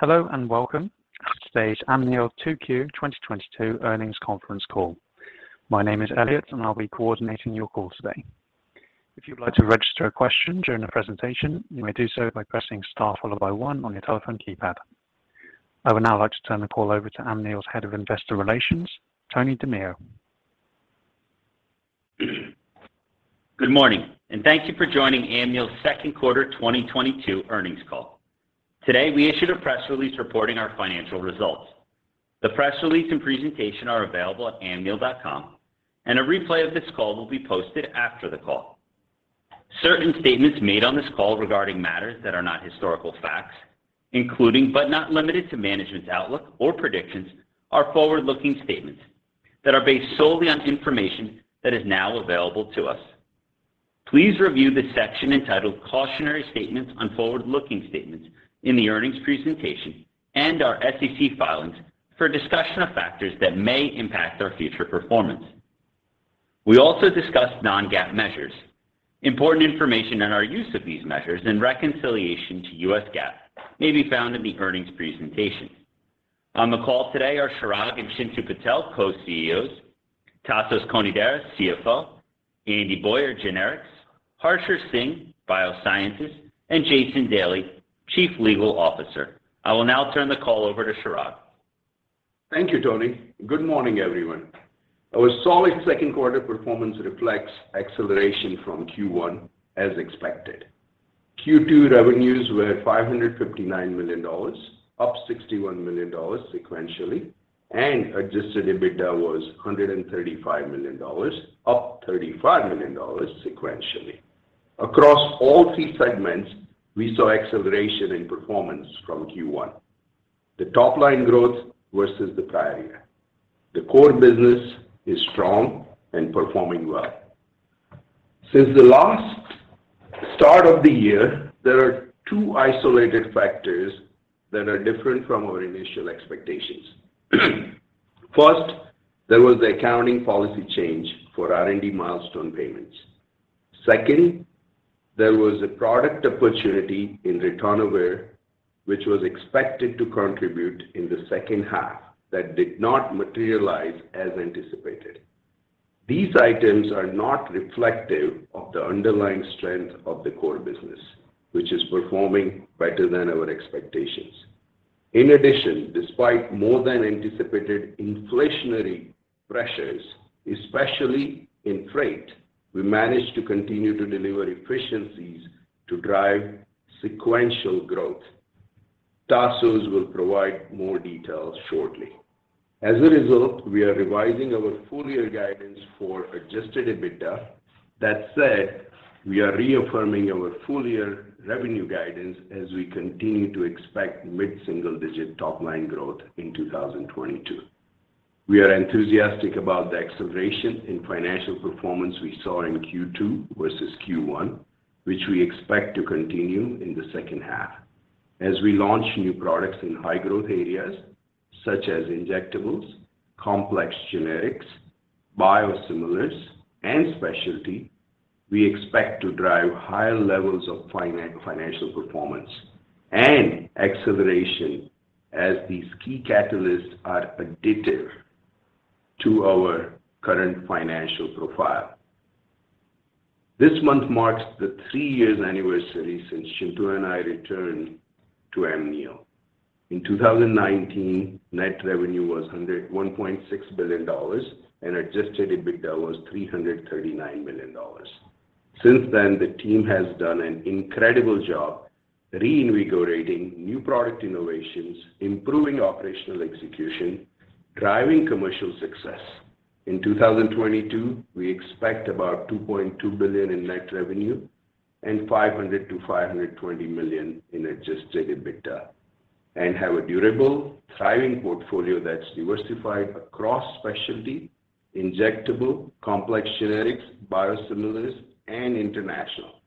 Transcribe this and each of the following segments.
Hello and welcome to today's Amneal's 2Q 2022 earnings conference call. My name is Elliot, and I'll be coordinating your call today. If you'd like to register a question during the presentation, you may do so by pressing star followed by one on your telephone keypad. I would now like to turn the call over to Amneal's Head of Investor Relations, Tony DiMeo. Good morning, and thank you for joining Amneal's second quarter 2022 earnings call. Today, we issued a press release reporting our financial results. The press release and presentation are available at amneal.com, and a replay of this call will be posted after the call. Certain statements made on this call regarding matters that are not historical facts, including, but not limited to, management's outlook or predictions, are forward-looking statements that are based solely on information that is now available to us. Please review the section entitled Cautionary Statements on Forward-Looking Statements in the earnings presentation and our SEC filings for a discussion of factors that may impact our future performance. We also discuss non-GAAP measures. Important information on our use of these measures and reconciliation to U.S. GAAP may be found in the earnings presentation. On the call today are Chirag and Chintu Patel, Co-CEOs, Tasos Konidaris, CFO, Andrew Boyer, Generics, Harsher Singh, Biosciences, and Jason Daly, Chief Legal Officer. I will now turn the call over to Chirag. Thank you, Tony. Good morning, everyone. Our solid second quarter performance reflects acceleration from Q1 as expected. Q2 revenues were $559 million, up $61 million sequentially, and adjusted EBITDA was $135 million, up $35 million sequentially. Across all three segments, we saw acceleration in performance from Q1. The top line growth versus the prior year. The core business is strong and performing well. Since the start of the year, there are two isolated factors that are different from our initial expectations. First, there was the accounting policy change for R&D milestone payments. Second, there was a product opportunity in ritonavir, which was expected to contribute in the second half that did not materialize as anticipated. These items are not reflective of the underlying strength of the core business, which is performing better than our expectations. In addition, despite more than anticipated inflationary pressures, especially in freight, we managed to continue to deliver efficiencies to drive sequential growth. Tasos will provide more details shortly. As a result, we are revising our full-year guidance for adjusted EBITDA. That said, we are reaffirming our full-year revenue guidance as we continue to expect mid-single-digit top-line growth in 2022. We are enthusiastic about the acceleration in financial performance we saw in Q2 versus Q1, which we expect to continue in the second half. As we launch new products in high-growth areas such as injectables, complex generics, biosimilars and specialty, we expect to drive higher levels of financial performance and acceleration as these key catalysts are additive to our current financial profile. This month marks the three-year anniversary since Chintu and I returned to Amneal. In 2019, net revenue was $101.6 billion and adjusted EBITDA was $339 million. Since then, the team has done an incredible job reinvigorating new product innovations, improving operational execution, driving commercial success. In 2022, we expect about $2.2 billion in net revenue and $500 million-$520 million in adjusted EBITDA and have a durable, thriving portfolio that's diversified across specialty, injectable, complex generics, biosimilars and international,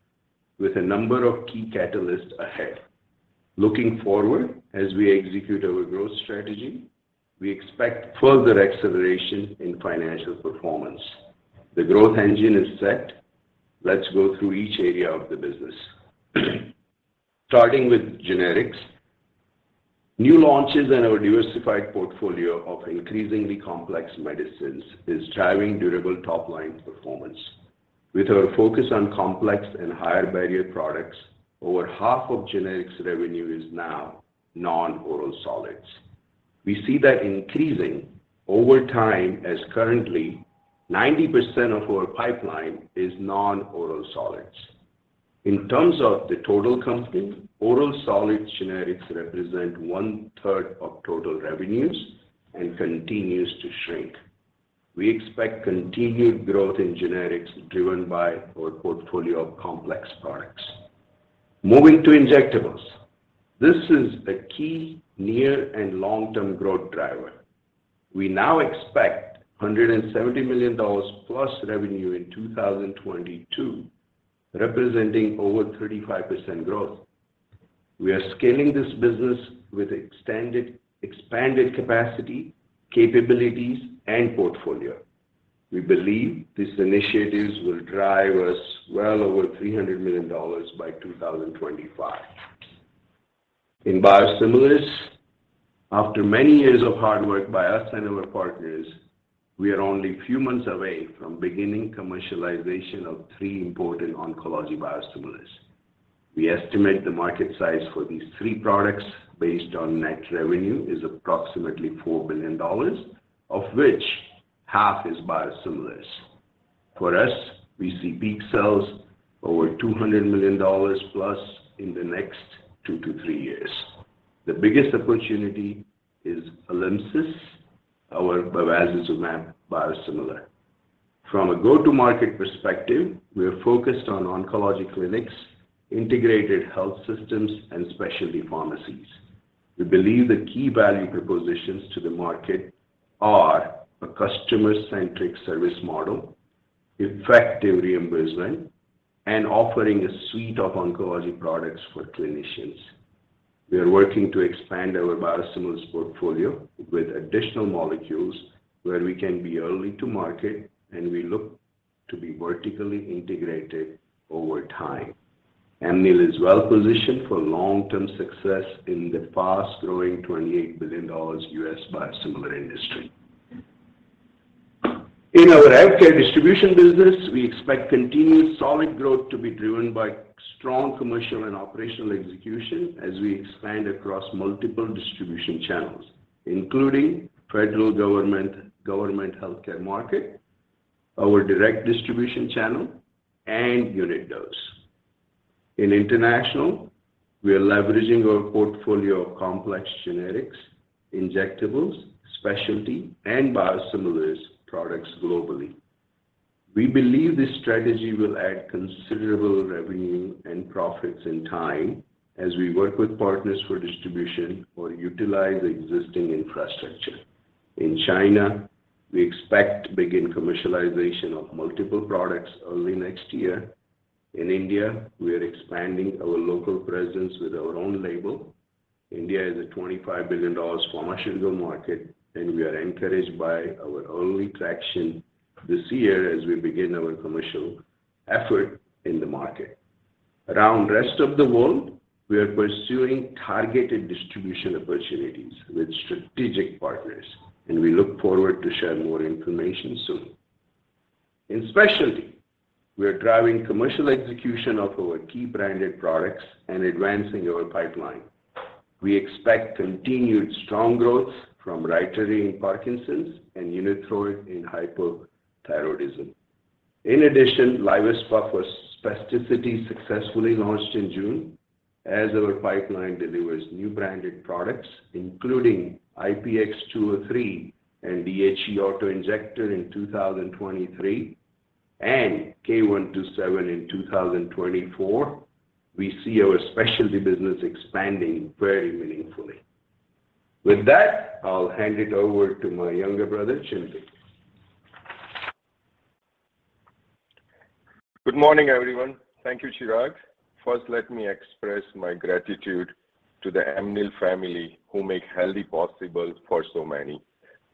with a number of key catalysts ahead. Looking forward, as we execute our growth strategy, we expect further acceleration in financial performance. The growth engine is set. Let's go through each area of the business. Starting with generics. New launches in our diversified portfolio of increasingly complex medicines is driving durable top line performance. With our focus on complex and higher barrier products, over half of generics revenue is now non-oral solids. We see that increasing over time as currently 90% of our pipeline is non-oral solids. In terms of the total company, oral solids generics represent one-third of total revenues and continues to shrink. We expect continued growth in generics driven by our portfolio of complex products. Moving to injectables. This is a key near and long-term growth driver. We now expect $170 million plus revenue in 2022, representing over 35% growth. We are scaling this business with expanded capacity, capabilities and portfolio. We believe these initiatives will drive us well over $300 million by 2025. In biosimilars, after many years of hard work by us and our partners, we are only a few months away from beginning commercialization of three important oncology biosimilars. We estimate the market size for these three products based on net revenue is approximately $4 billion, of which half is biosimilars. For us, we see peak sales over $200 million plus in the next two to three years. The biggest opportunity is ALYMSYS, our bevacizumab biosimilar. From a go-to-market perspective, we are focused on oncology clinics, integrated health systems, and specialty pharmacies. We believe the key value propositions to the market are a customer-centric service model, effective reimbursement, and offering a suite of oncology products for clinicians. We are working to expand our biosimilars portfolio with additional molecules where we can be early to market, and we look to be vertically integrated over time. Amneal is well positioned for long-term success in the fast-growing $28 billion U.S. biosimilar industry. In our healthcare distribution business, we expect continued solid growth to be driven by strong commercial and operational execution as we expand across multiple distribution channels, including federal government healthcare market, our direct distribution channel, and unit dose. In international, we are leveraging our portfolio of complex generics, injectables, specialty, and biosimilars products globally. We believe this strategy will add considerable revenue and profits in time as we work with partners for distribution or utilize existing infrastructure. In China, we expect to begin commercialization of multiple products early next year. In India, we are expanding our local presence with our own label. India is a $25 billion pharmaceutical market, and we are encouraged by our early traction this year as we begin our commercial effort in the market. Around the rest of the world, we are pursuing targeted distribution opportunities with strategic partners, and we look forward to share more information soon. In specialty, we are driving commercial execution of our key branded products and advancing our pipeline. We expect continued strong growth from Rytary in Parkinson's and Unithroid in hypothyroidism. In addition, Lioresal for spasticity successfully launched in June as our pipeline delivers new branded products, including IPX203 and Adrenaclick auto-injector in 2023, and K-127 in 2024. We see our specialty business expanding very meaningfully. With that, I'll hand it over to my younger brother, Chintu. Good morning, everyone. Thank you, Chirag. First, let me express my gratitude to the Amneal family who make healthy possible for so many.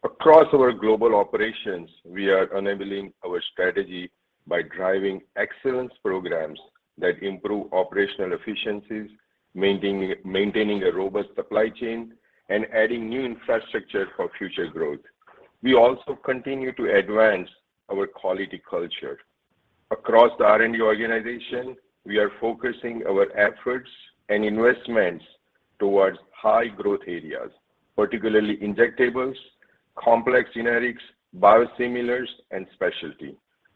Across our global operations, we are enabling our strategy by driving excellence programs that improve operational efficiencies, maintaining a robust supply chain, and adding new infrastructure for future growth. We also continue to advance our quality culture. Across the R&D organization, we are focusing our efforts and investments towards high growth areas, particularly injectables, complex generics, biosimilars and specialty.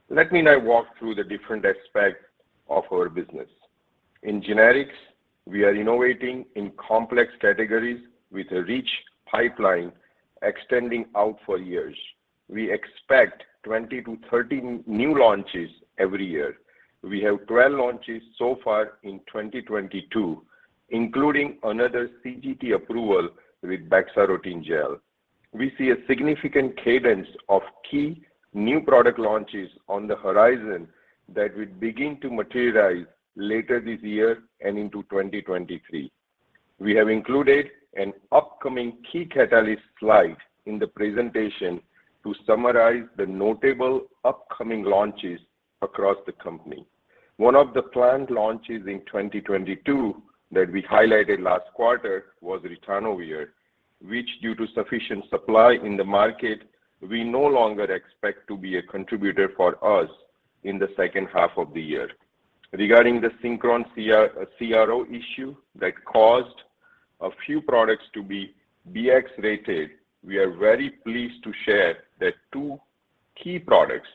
Let me now walk through the different aspects of our business. In generics, we are innovating in complex categories with a rich pipeline extending out for years. We expect 20-30 new launches every year. We have 12 launches so far in 2022, including another CGT approval with Bexarotene Gel. We see a significant cadence of key new product launches on the horizon that will begin to materialize later this year and into 2023. We have included an upcoming key catalyst slide in the presentation to summarize the notable upcoming launches across the company. One of the planned launches in 2022 that we highlighted last quarter was ritonavir, which due to sufficient supply in the market, we no longer expect to be a contributor for us in the second half of the year. Regarding the Synchron CRO issue that caused a few products to be BX rated, we are very pleased to share that two key products,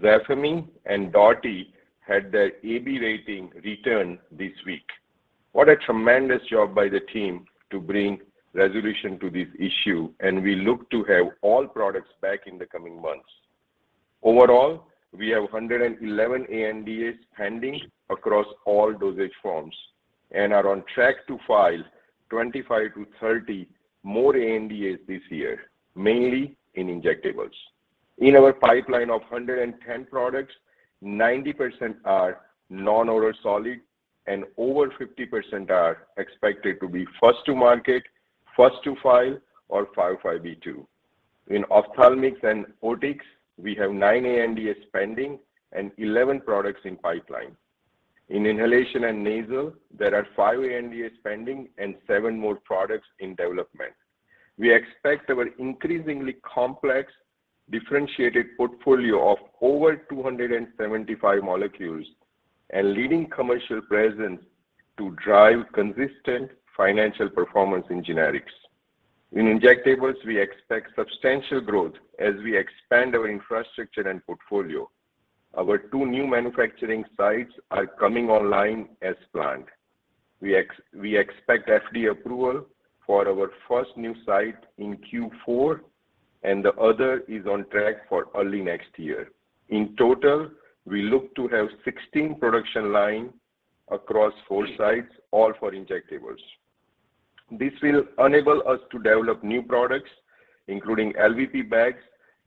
ZAFEMY and Dotti, had their AB rating returned this week. What a tremendous job by the team to bring resolution to this issue, and we look to have all products back in the coming months. Overall, we have 111 ANDAs pending across all dosage forms and are on track to file 25-30 more ANDAs this year, mainly in injectables. In our pipeline of 110 products, 90% are non-oral solid and over 50% are expected to be first to market, first to file or 505(b)(2). In ophthalmics and otics, we have nine ANDAs pending and 11 products in pipeline. In inhalation and nasal, there are five ANDAs pending and seven more products in development. We expect our increasingly complex differentiated portfolio of over 275 molecules and leading commercial presence to drive consistent financial performance in generics. In injectables, we expect substantial growth as we expand our infrastructure and portfolio. Our two new manufacturing sites are coming online as planned. We expect FDA approval for our first new site in Q4, and the other is on track for early next year. In total, we look to have 16 production lines across four sites, all for injectables. This will enable us to develop new products, including LVP bags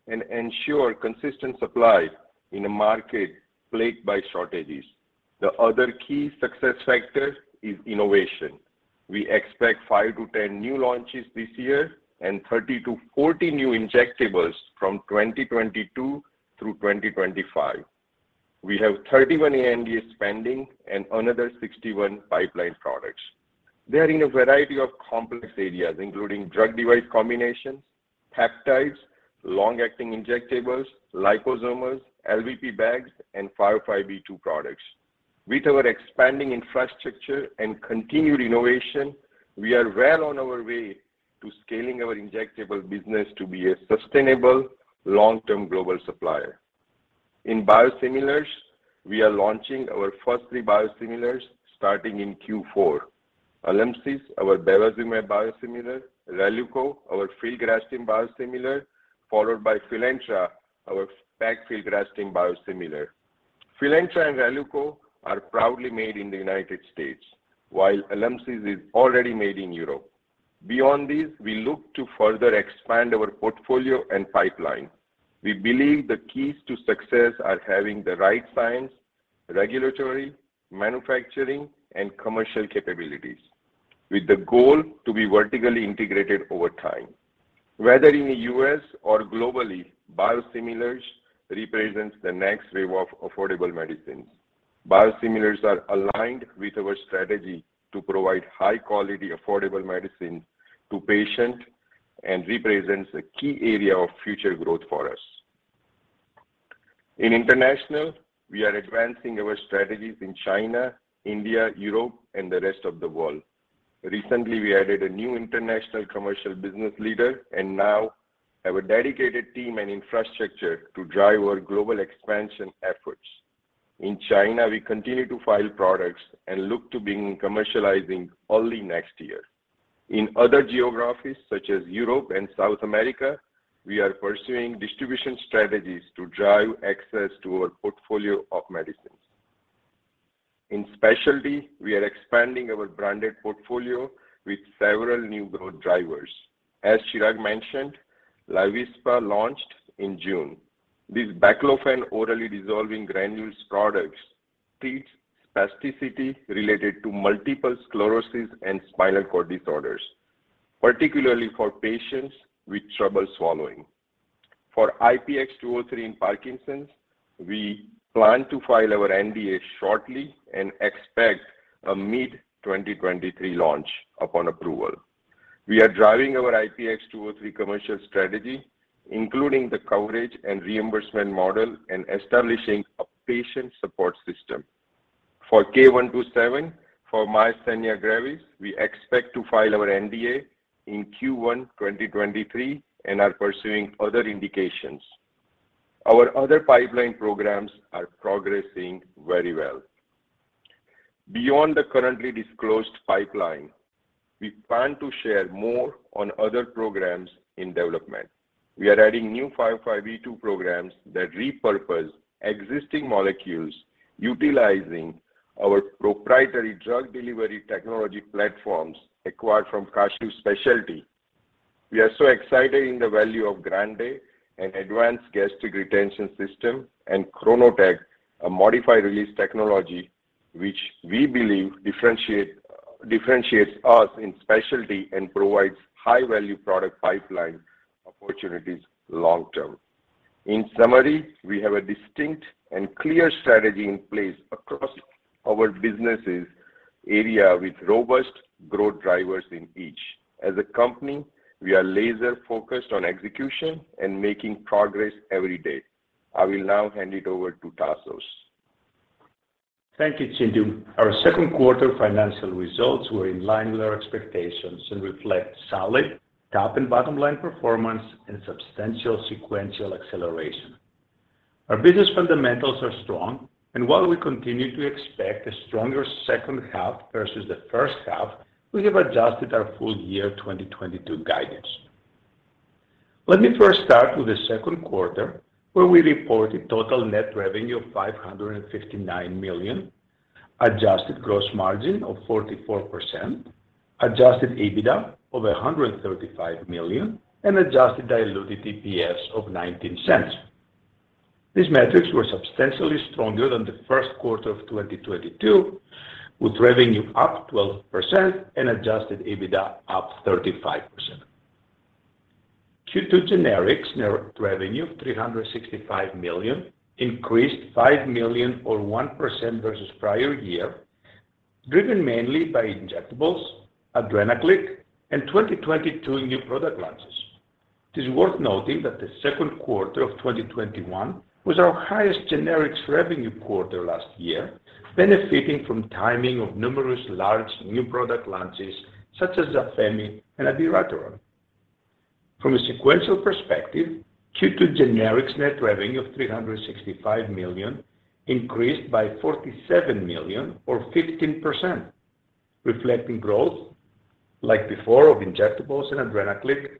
and ensure consistent supply in a market plagued by shortages. The other key success factor is innovation. We expect five to 10 new launches this year and 30-40 new injectables from 2022 through 2025. We have 31 ANDAs pending and another 61 pipeline products. They are in a variety of complex areas, including drug device combinations, peptides, long-acting injectables, liposomes, LVP bags and 505(b)(2) products. With our expanding infrastructure and continued innovation, we are well on our way to scaling our injectable business to be a sustainable long-term global supplier. In biosimilars, we are launching our first three biosimilars starting in Q4. ALYMSYS, our bevacizumab biosimilar, Releuko, our filgrastim biosimilar, followed by Fylnetra, our pegfilgrastim biosimilar. Fylnetra and Releuko are proudly made in the United States, while ALYMSYS is already made in Europe. Beyond these, we look to further expand our portfolio and pipeline. We believe the keys to success are having the right science, regulatory, manufacturing and commercial capabilities with the goal to be vertically integrated over time. Whether in the U.S. or globally, biosimilars represents the next wave of affordable medicines. Biosimilars are aligned with our strategy to provide high quality, affordable medicine to patients and represents a key area of future growth for us. In international, we are advancing our strategies in China, India, Europe and the rest of the world. Recently, we added a new international commercial business leader and now have a dedicated team and infrastructure to drive our global expansion efforts. In China, we continue to file products and look to begin commercializing early next year. In other geographies such as Europe and South America, we are pursuing distribution strategies to drive access to our portfolio of medicines. In specialty, we are expanding our branded portfolio with several new growth drivers. As Chirag mentioned, LYVISPAH launched in June. This baclofen orally dissolving granules product treats spasticity related to multiple sclerosis and spinal cord disorders, particularly for patients with trouble swallowing. For IPX203 in Parkinson's, we plan to file our NDA shortly and expect a mid-2023 launch upon approval. We are driving our IPX203 commercial strategy, including the coverage and reimbursement model, and establishing a patient support system. For K-127 for myasthenia gravis, we expect to file our NDA in Q1 2023 and are pursuing other indications. Our other pipeline programs are progressing very well. Beyond the currently disclosed pipeline, we plan to share more on other programs in development. We are adding new 505(b)(2) programs that repurpose existing molecules utilizing our proprietary drug delivery technology platforms acquired from Kashiv Specialty. We are so excited in the value of GRANDE and advanced gastric retention system and KRONOTEC, a modified release technology which we believe differentiates us in specialty and provides high-value product pipeline opportunities long term. In summary, we have a distinct and clear strategy in place across our business areas with robust growth drivers in each. As a company, we are laser focused on execution and making progress every day. I will now hand it over to Tasos. Thank you, Chintu. Our second quarter financial results were in line with our expectations and reflect solid top and bottom line performance and substantial sequential acceleration. Our business fundamentals are strong, and while we continue to expect a stronger second half versus the first half, we have adjusted our full year 2022 guidance. Let me first start with the second quarter, where we reported total net revenue of $559 million, adjusted gross margin of 44%, adjusted EBITDA of $135 million, and adjusted diluted EPS of $0.19. These metrics were substantially stronger than the first quarter of 2022, with revenue up 12% and adjusted EBITDA up 35%. Q2 generics net revenue of $365 million increased $5 million or 1% versus prior year, driven mainly by injectables, Adrenaclick, and 2022 new product launches. It is worth noting that the second quarter of 2021 was our highest generics revenue quarter last year, benefiting from timing of numerous large new product launches such as ZAFEMY and Abiraterone. From a sequential perspective, Q2 generics net revenue of $365 million increased by $47 million or 15%, reflecting growth like before of injectables and Adrenaclick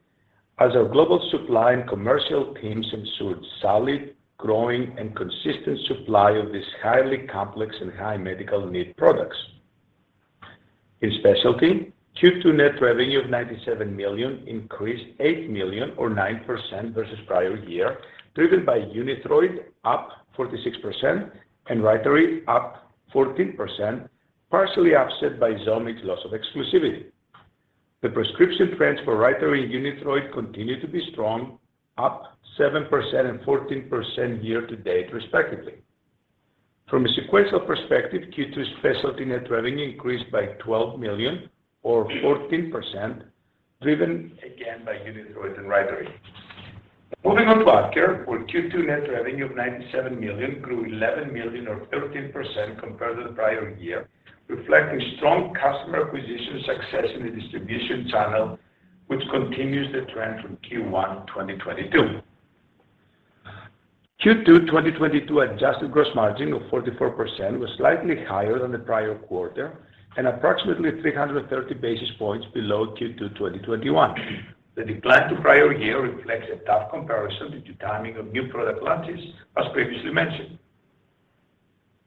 as our global supply and commercial teams ensured solid, growing, and consistent supply of these highly complex and high medical need products. In specialty, Q2 net revenue of $97 million increased $8 million or 9% versus prior year, driven by Unithroid up 46% and Rytary up 14%, partially offset by Xeljanz's loss of exclusivity. The prescription trends for Rytary and Unithroid continue to be strong, up 7% and 14% year-to-date, respectively. From a sequential perspective, Q2's specialty net revenue increased by $12 million or 14%, driven again by Unithroid and Rytary. Moving on to AvKARE, where Q2 net revenue of $97 million grew $11 million or 13% compared to the prior year, reflecting strong customer acquisition success in the distribution channel, which continues the trend from Q1 2022. Q2 2022 adjusted gross margin of 44% was slightly higher than the prior quarter and approximately 330 basis points below Q2 2021. The decline to prior year reflects a tough comparison due to timing of new product launches, as previously mentioned.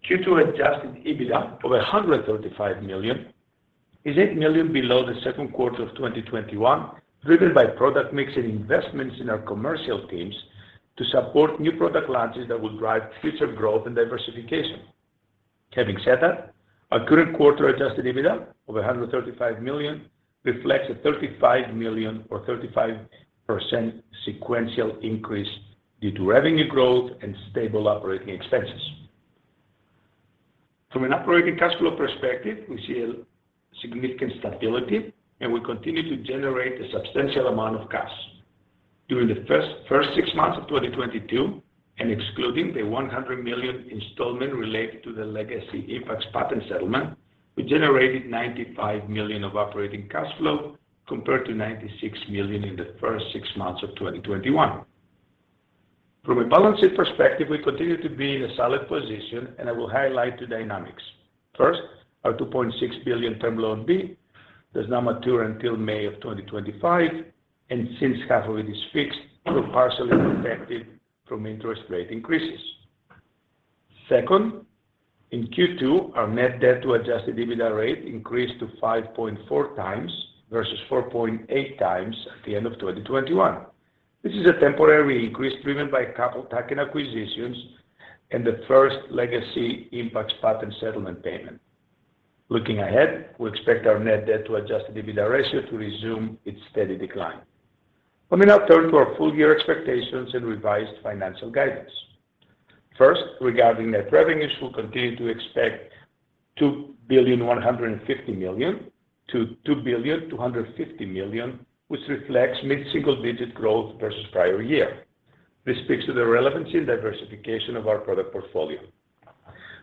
Q2 adjusted EBITDA of $135 million is $8 million below the second quarter of 2021, driven by product mix and investments in our commercial teams to support new product launches that will drive future growth and diversification. Having said that, our current quarter adjusted EBITDA of $135 million reflects a $35 million or 35% sequential increase due to revenue growth and stable operating expenses. From an operating cash flow perspective, we see a significant stability, and we continue to generate a substantial amount of cash. During the first six months of 2022, and excluding the $100 million installment related to the legacy Impax's patent settlement, we generated $95 million of operating cash flow compared to $96 million in the first six months of 2021. From a balance sheet perspective, we continue to be in a solid position, and I will highlight the dynamics. First, our $2.6 billion Term Loan B does not mature until May of 2025, and since half of it is fixed or partially protected from interest rate increases. Second, in Q2, our net debt to adjusted EBITDA rate increased to 5.4x versus 4.8x at the end of 2021. This is a temporary increase driven by acquisitions and the first legacy Impax patent settlement payment. Looking ahead, we expect our net debt to adjusted EBITDA ratio to resume its steady decline. Let me now turn to our full-year expectations and revised financial guidance. First, regarding net revenues, we continue to expect $2.15 billion-$2.25 billion, which reflects mid-single-digit growth versus prior year. This speaks to the relevancy and diversification of our product portfolio.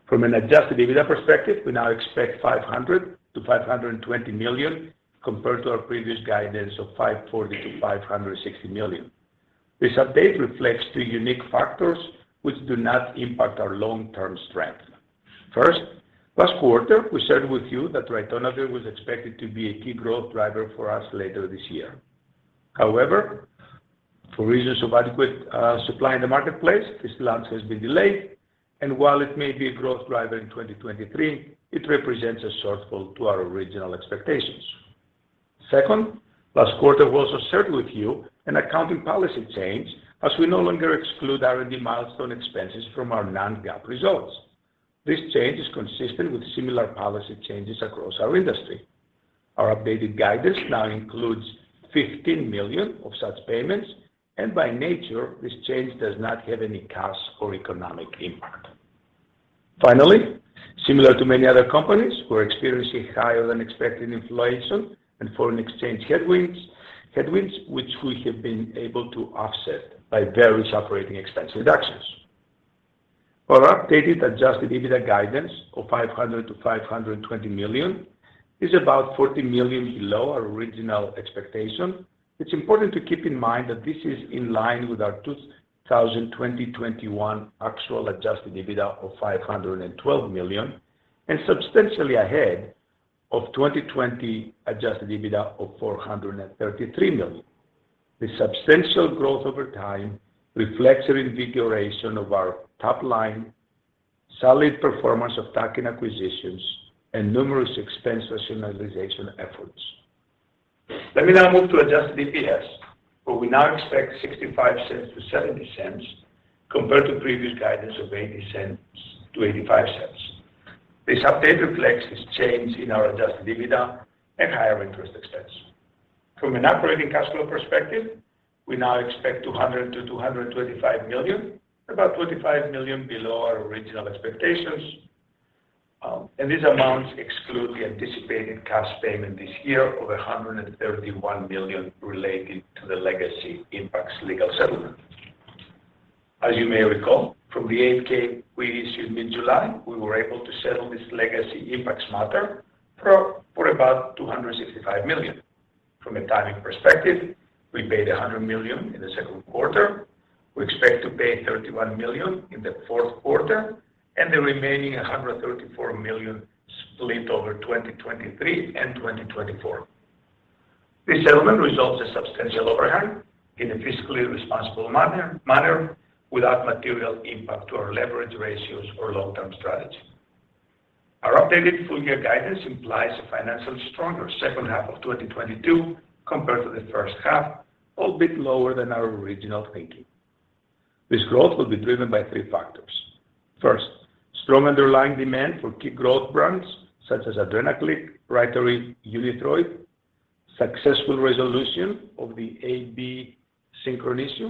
From an adjusted EBITDA perspective, we now expect $500 million-$520 million compared to our previous guidance of $540 million-$560 million. This update reflects two unique factors which do not impact our long-term strength. First, last quarter, we shared with you that ritonavir was expected to be a key growth driver for us later this year. However, for reasons of adequate supply in the marketplace, this launch has been delayed, and while it may be a growth driver in 2023, it represents a shortfall to our original expectations. Second, last quarter, we also shared with you an accounting policy change as we no longer exclude R&D milestone expenses from our non-GAAP results. This change is consistent with similar policy changes across our industry. Our updated guidance now includes $15 million of such payments, and by nature, this change does not have any cost or economic impact. Finally, similar to many other companies, we're experiencing higher than expected inflation and foreign exchange headwinds which we have been able to offset by various operating expense reductions. While our updated adjusted EBITDA guidance of $500 million-$520 million is about $40 million below our original expectation, it's important to keep in mind that this is in line with our 2021 actual adjusted EBITDA of $512 million and substantially ahead of 2020 adjusted EBITDA of $433 million. The substantial growth over time reflects a reinvigoration of our top line, solid performance of tech and acquisitions, and numerous expense rationalization efforts. Let me now move to adjusted EPS, where we now expect $0.65-$0.70 compared to previous guidance of $0.80-$0.85. This update reflects this change in our adjusted EBITDA and higher interest expense. From an operating cash flow perspective, we now expect $200-$225 million, about $25 million below our original expectations. These amounts exclude the anticipated cash payment this year of $131 million related to the legacy Impax legal settlement. As you may recall from the 8-K we issued mid-July, we were able to settle this legacy Impax matter for about $265 million. From a timing perspective, we paid $100 million in the second quarter. We expect to pay $31 million in the fourth quarter and the remaining $134 million split over 2023 and 2024. This settlement resolves a substantial overhang in a fiscally responsible manner without material impact to our leverage ratios or long-term strategy. Our updated full-year guidance implies a financially stronger second half of 2022 compared to the first half, albeit lower than our original thinking. This growth will be driven by three factors. First, strong underlying demand for key growth brands such as Adrenaclick, Rituxan, Unithroid, successful resolution of the AB Synchron issue.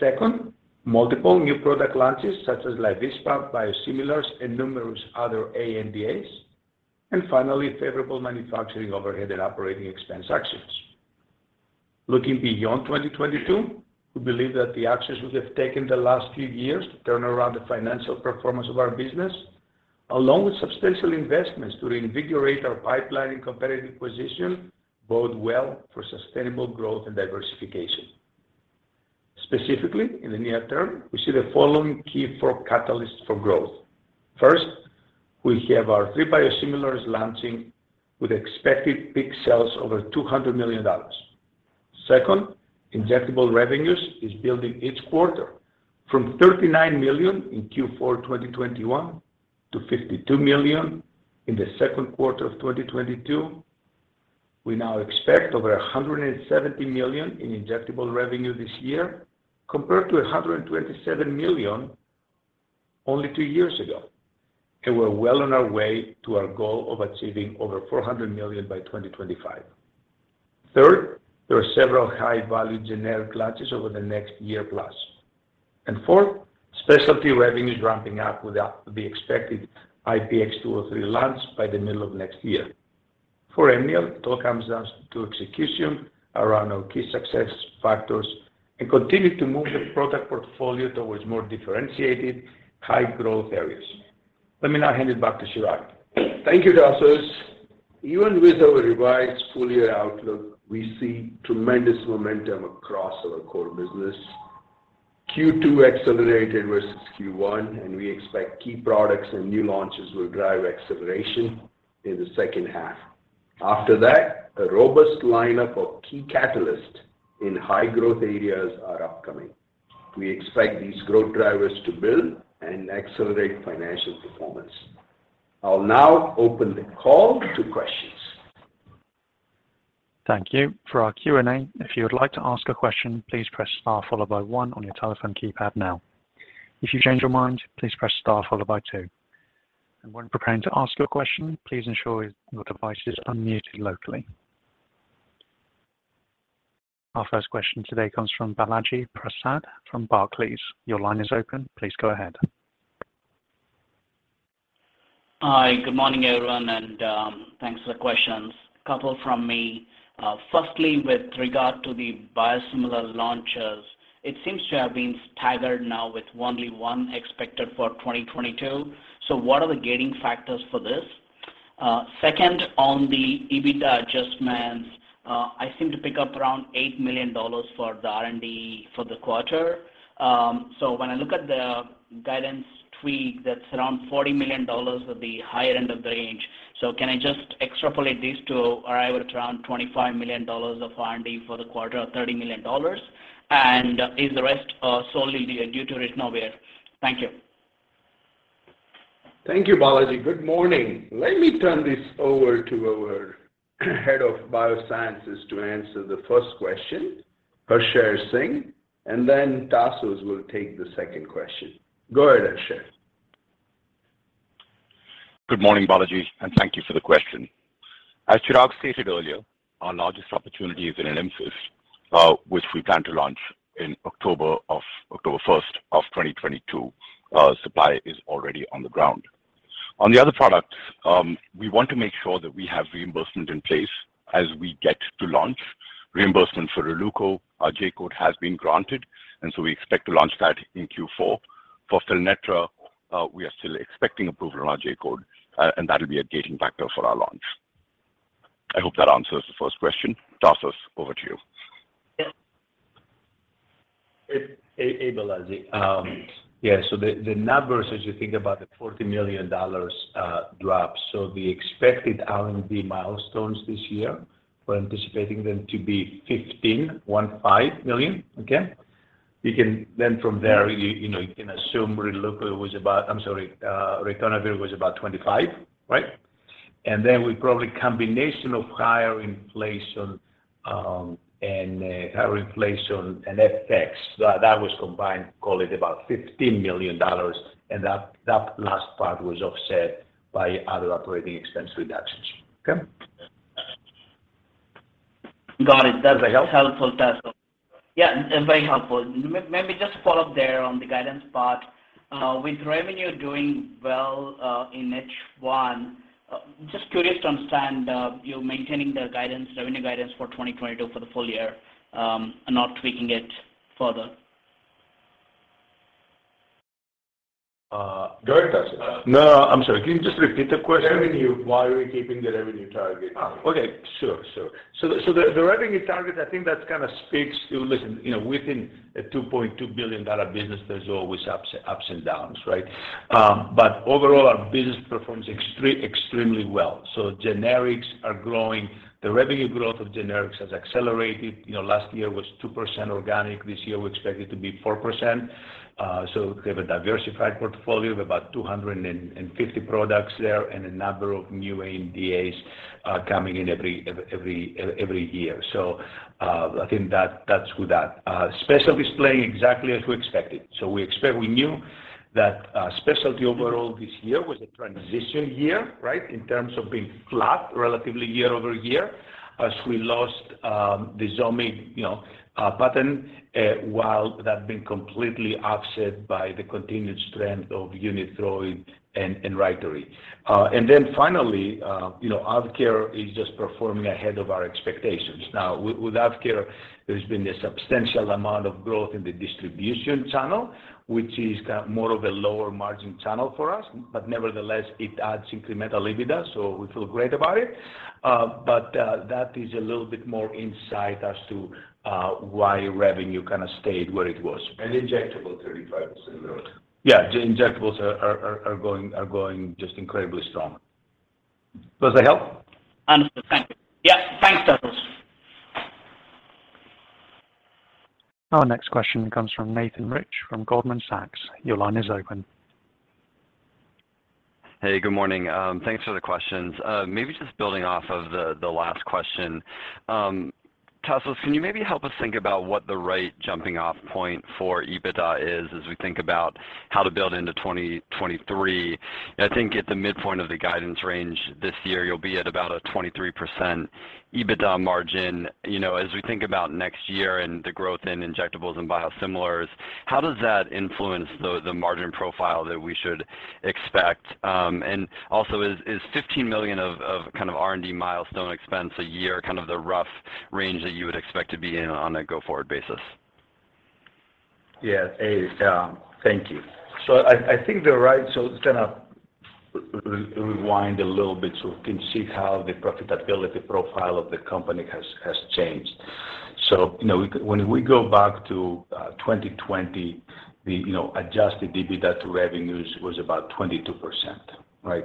Second, multiple new product launches such as LYVISPAH biosimilars and numerous other ANDAs. Finally, favorable manufacturing overhead and operating expense actions. Looking beyond 2022, we believe that the actions we have taken the last few years to turn around the financial performance of our business, along with substantial investments to reinvigorate our pipeline and competitive position bode well for sustainable growth and diversification. Specifically, in the near term, we see the following key four catalysts for growth. First, we have our three biosimilars launching with expected peak sales over $200 million. Second, injectable revenues is building each quarter from $39 million in Q4 2021 to $52 million in the second quarter of 2022. We now expect over $170 million in injectable revenue this year compared to $127 million only two years ago. We're well on our way to our goal of achieving over $400 million by 2025. Third, there are several high-value generic launches over the next year plus. Fourth, specialty revenues ramping up with the expected IPX203 launch by the middle of next year. For Amneal, it all comes down to execution around our key success factors and continue to move the product portfolio towards more differentiated high-growth areas. Let me now hand it back to Chirag. Thank you, Tasos. Even with our revised full year outlook, we see tremendous momentum across our core business. Q2 accelerated versus Q1, and we expect key products and new launches will drive acceleration in the second half. After that, a robust lineup of key catalysts in high growth areas are upcoming. We expect these growth drivers to build and accelerate financial performance. I'll now open the call to questions. Thank you. For our Q&A, if you would like to ask a question, please press star followed by one on your telephone keypad now. If you change your mind, please press star followed by two. When preparing to ask your question, please ensure your device is unmuted locally. Our first question today comes from Balaji Prasad from Barclays. Your line is open. Please go ahead. Hi. Good morning, everyone, and thanks for the questions. A couple from me. Firstly, with regard to the biosimilar launches, it seems to have been staggered now with only one expected for 2022. What are the gating factors for this? Second, on the EBITDA adjustments, I seem to pick up around $8 million for the R&D for the quarter. When I look at the guidance tweak, that's around $40 million at the higher end of the range. Can I just extrapolate this to arrive at around $25 million of R&D for the quarter or $30 million? Is the rest solely due to ritonavir? Thank you. Thank you, Balaji. Good morning. Let me turn this over to our head of Biosciences to answer the first question, Harsher Singh, and then Tasos will take the second question. Go ahead, Harsher. Good morning, Balaji, and thank you for the question. As Chirag stated earlier, our largest opportunity is in ALYMSYS, which we plan to launch in October first of 2022. Supply is already on the ground. On the other product, we want to make sure that we have reimbursement in place as we get to launch. Reimbursement for Releuko. Our J-code has been granted, and so we expect to launch that in Q4. For Fylnetra, we are still expecting approval on our J-code, and that'll be a gating factor for our launch. I hope that answers the first question. Tasos, over to you. Hey, Balaji. The numbers, as you think about the $40 million drop. The expected R&D milestones this year, we're anticipating them to be $15 million. Okay? You can then from there, you know, you can assume ritonavir was about $25 million, right? With probably combination of higher inflation and FX, that last part was offset by other operating expense reductions. Okay? Got it. Does that help? That's helpful, Tasos. Yeah. Very helpful. Let me just follow up there on the guidance part. With revenue doing well in H1, just curious to understand you maintaining the guidance, revenue guidance for 2022 for the full year, and not tweaking it further? Go ahead, Tasos. No, I'm sorry. Can you just repeat the question? Revenue. Why are we keeping the revenue target? Okay. Sure. The revenue target, I think that's kinda speaks to, listen, you know, within a $2.2 billion business, there's always ups and downs, right? But overall, our business performs extremely well. Generics are growing. The revenue growth of generics has accelerated. You know, last year was 2% organic. This year, we expect it to be 4%. We have a diversified portfolio of about 250 products there and a number of new ANDAs coming in every year. I think that's good that specialty is playing exactly as we expected. We expect we knew that, specialty overall this year was a transition year, right, in terms of being flat relatively year-over-year as we lost the Zomig, you know, patent, while that being completely offset by the continued strength of Unithroid and Rytary. And then finally, you know, AvKARE is just performing ahead of our expectations. Now with AvKARE, there's been a substantial amount of growth in the distribution channel, which is more of a lower margin channel for us. But nevertheless, it adds incremental EBITDA, so we feel great about it. But that is a little bit more insight as to why revenue kinda stayed where it was. And injectables 35% growth. Yeah, injectables are going just incredibly strong. Does that help? Understood. Thank you. Yep. Thanks, Tasos. Our next question comes from Nathan Rich from Goldman Sachs. Your line is open. Hey, good morning. Thanks for the questions. Maybe just building off of the last question. Tasos, can you maybe help us think about what the right jumping off point for EBITDA is as we think about how to build into 2023? I think at the midpoint of the guidance range this year, you'll be at about a 23% EBITDA margin. You know, as we think about next year and the growth in injectables and biosimilars, how does that influence the margin profile that we should expect? Is $15 million of kind of R&D milestone expense a year kind of the rough range that you would expect to be in on a go-forward basis? Yeah. Hey, thank you. I think just gonna rewind a little bit so we can see how the profitability profile of the company has changed. You know, when we go back to 2020, you know, adjusted EBITDA to revenues was about 22%, right?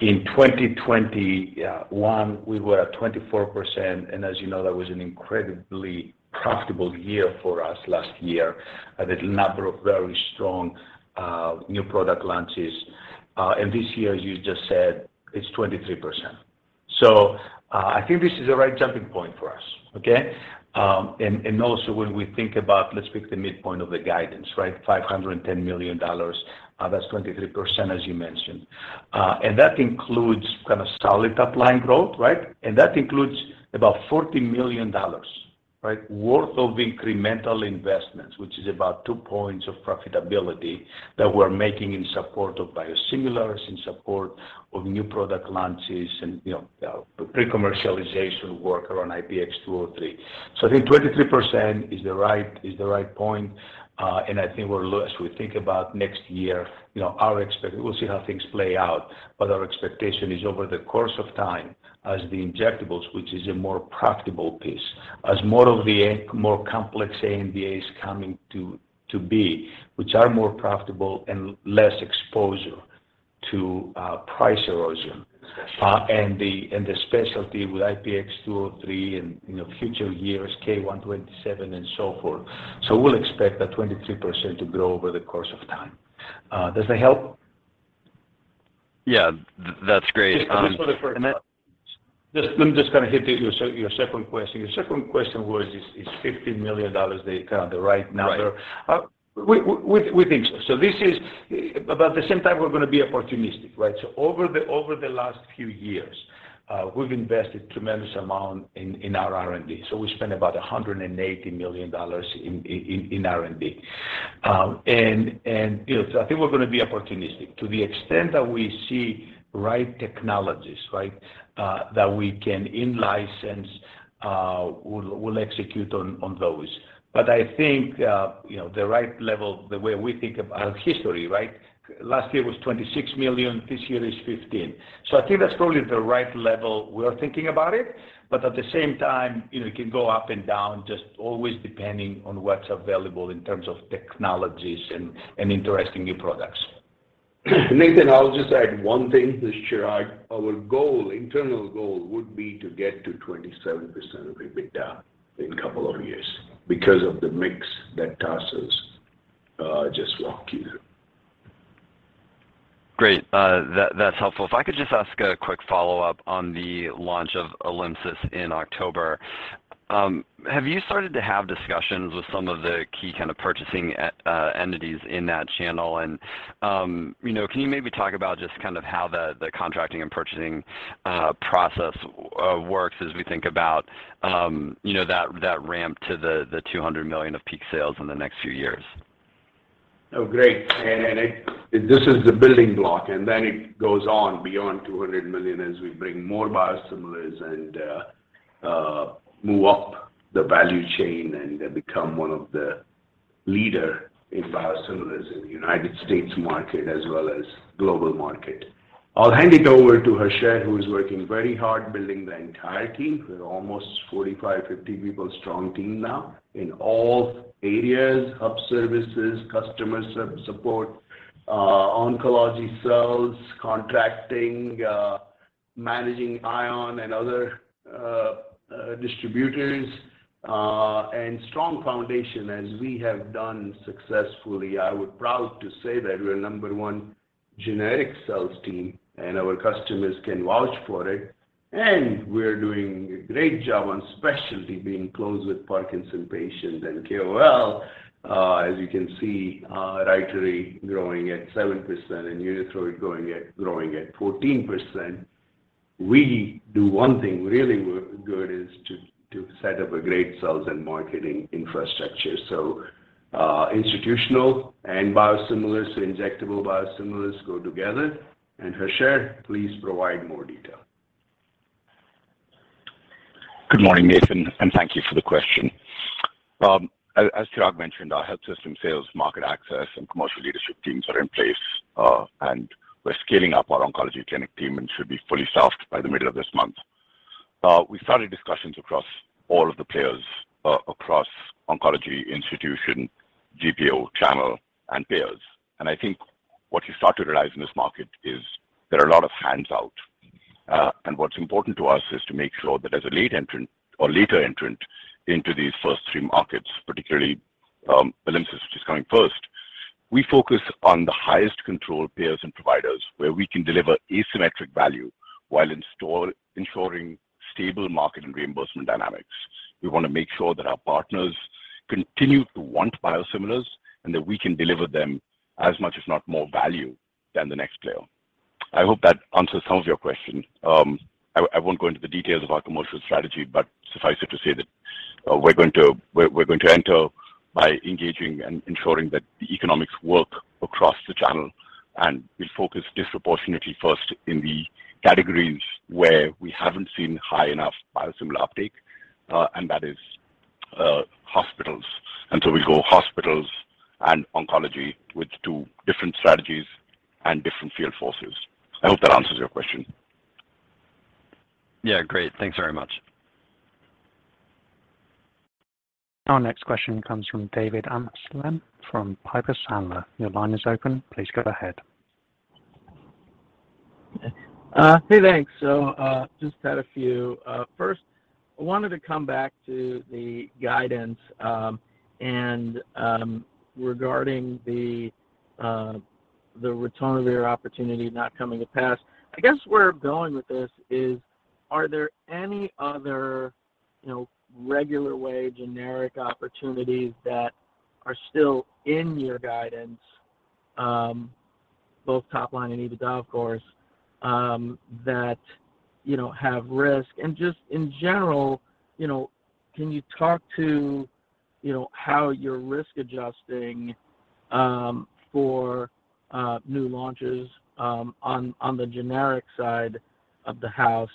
In 2021, we were at 24%. As you know, that was an incredibly profitable year for us last year with a number of very strong new product launches. This year, as you just said, it's 23%. I think this is the right jumping point for us. Okay? Also when we think about let's pick the midpoint of the guidance, right, $510 million, that's 23%, as you mentioned. That includes kind of solid top line growth, right? That includes about $40 million, right, worth of incremental investments, which is about two points of profitability that we're making in support of biosimilars, in support of new product launches and, you know, pre-commercialization work around IPX203. So I think 23% is the right point. I think we're as we think about next year, you know, we'll see how things play out, but our expectation is over the course of time as the injectables, which is a more profitable piece, as more of the more complex AMVAs coming to be, which are more profitable and less exposure to price erosion. Specialty. The specialty with IPX203 and, you know, future years K-127 and so forth. We'll expect that 23% to grow over the course of time. Does that help? Yeah, that's great. Just for the first part. And then- Just let me just kinda hit your second question. Your second question was, is $15 million the kinda right number? Right. We think so. This is about the same time we're gonna be opportunistic, right? Over the last few years, we've invested a tremendous amount in our R&D. We spent about $180 million in R&D. You know, I think we're gonna be opportunistic. To the extent that we see right technologies, right, that we can in-license, we'll execute on those. I think you know, the right level, the way we think about history, right? Last year was $26 million, this year is $15 million. I think that's probably the right level we're thinking about it. At the same time, you know, it can go up and down, just always depending on what's available in terms of technologies and interesting new products. Nathan, I'll just add one thing to Chirag. Our goal, internal goal would be to get to 27% of EBITDA in a couple of years because of the mix that Tasos just walked you through. Great. That's helpful. If I could just ask a quick follow-up on the launch of ALYMSYS in October. Have you started to have discussions with some of the key kind of purchasing entities in that channel? You know, can you maybe talk about just kind of how the contracting and purchasing process works as we think about, you know, that ramp to the $200 million of peak sales in the next few years? Oh, great. This is the building block, and then it goes on beyond $200 million as we bring more biosimilars and move up the value chain and become one of the leader in biosimilars in the United States market as well as global market. I'll hand it over to Harsher, who is working very hard building the entire team. We're almost 45, 50 people strong team now in all areas, hub services, customer support, oncology sales, contracting, managing ION and other distributors, and strong foundation as we have done successfully. I'm proud to say that we're number one generic sales team, and our customers can vouch for it. We're doing a great job on specialty, being close with Parkinson's patients and KOL. As you can see, Rytary growing at 7% and Unithroid growing at 14%. We do one thing really well, is to set up a great sales and marketing infrastructure. Institutional and biosimilars, injectable biosimilars go together. Harsher, please provide more detail. Good morning, Nathan, and thank you for the question. As Chirag mentioned, our health system sales, market access, and commercial leadership teams are in place, and we're scaling up our oncology clinic team and should be fully staffed by the middle of this month. We started discussions across all of the players across oncology institution, GPO, channel, and payers. I think what you start to realize in this market is there are a lot of hands out. What's important to us is to make sure that as a late entrant or later entrant into these first three markets, particularly, ALYMSYS, which is coming first, we focus on the highest control payers and providers where we can deliver asymmetric value while ensuring stable market and reimbursement dynamics. We wanna make sure that our partners continue to want biosimilars and that we can deliver them as much if not more value than the next player. I hope that answers some of your question. I won't go into the details of our commercial strategy, but suffice it to say that we're going to enter by engaging and ensuring that the economics work across the channel. We'll focus disproportionately first in the categories where we haven't seen high enough biosimilar uptake, and that is hospitals. We go hospitals and oncology with two different strategies and different field forces. I hope that answers your question. Yeah, great. Thanks very much. Our next question comes from David Amsellem from Piper Sandler. Your line is open. Please go ahead. Hey, thanks. So, just had a few. First, I wanted to come back to the guidance, and regarding the ritonavir opportunity not coming to pass. I guess where I'm going with this is, are there any other, you know, regular way generic opportunities that are still in your guidance, both top line and EBITDA, of course, that, you know, have risk? And just in general, you know, can you talk to, you know, how you're risk adjusting, for new launches, on the generic side of the house?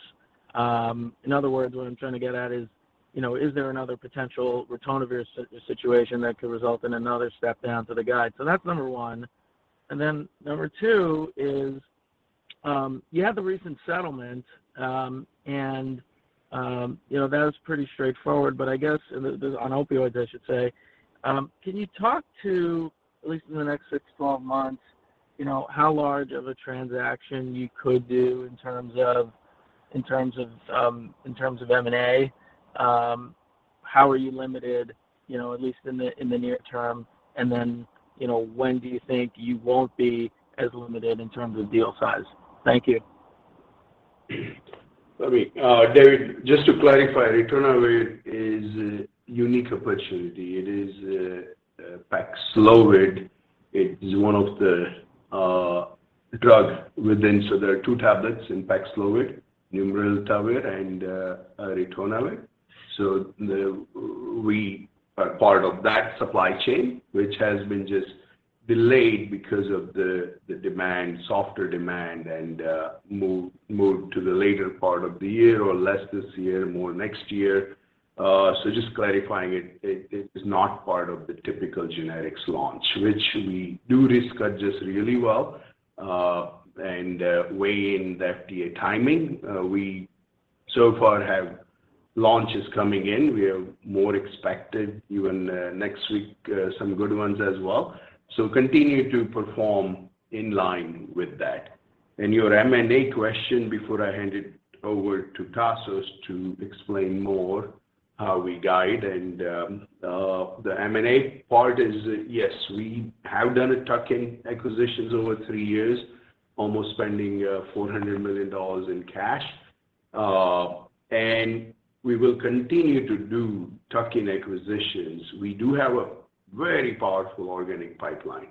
In other words, what I'm trying to get at is, you know, is there another potential ritonavir situation that could result in another step down to the guide? So that's number one. Then number two is, you had the recent settlement, and, you know, that was pretty straightforward, but I guess on opioids, I should say. Can you talk to, at least in the next six to 12 months, you know, how large of a transaction you could do in terms of M&A? How are you limited, you know, at least in the near term? Then, you know, when do you think you won't be as limited in terms of deal size? Thank you. Let me, David, just to clarify, ritonavir is a unique opportunity. It is Paxlovid. There are two tablets in Paxlovid, nirmatrelvir and ritonavir. We are part of that supply chain, which has been just delayed because of the demand, softer demand and moved to the later part of the year or less this year, more next year. Just clarifying it is not part of the typical generics launch, which we do risk adjust really well and wait on the FDA timing. We so far have launches coming in. We have more expected even next week, some good ones as well. Continue to perform in line with that. Your M&A question before I hand it over to Tasos to explain more how we guide and, the M&A part is yes, we have done a tuck-in acquisitions over three years, almost spending $400 million in cash. We will continue to do tuck-in acquisitions. We do have a very powerful organic pipeline,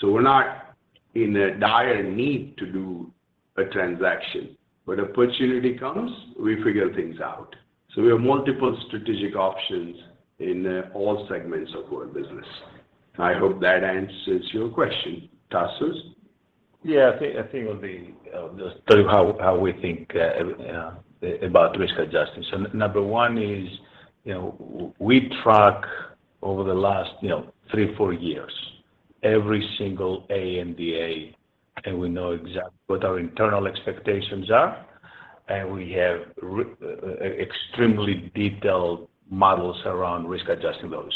so we're not in a dire need to do a transaction. When opportunity comes, we figure things out. We have multiple strategic options in all segments of our business. I hope that answers your question. Tasos? I think it'll be just to tell you how we think about risk adjustment. Number one is we track over the last 3-4 years every single ANDA, and we know exactly what our internal expectations are, and we have extremely detailed models around risk adjusting those.